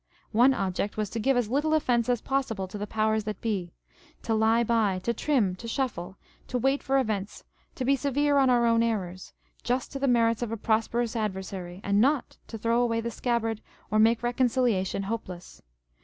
One object was to give as little offence as possible to " the powers that be" â€" to lie by, to trim, to shuffle, to wait for events, to be severe on our own errors, just to the merits of a prosperous adversary, and not to throw away the scabbard or make reconciliation hopeless.